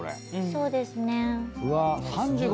そうですね。